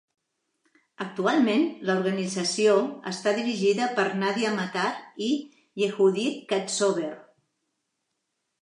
Actualment, l'organització està dirigida per Nadia Matar i Yehudit Katsover.